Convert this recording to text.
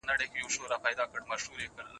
ولي هڅاند سړی د تکړه سړي په پرتله لوړ مقام نیسي؟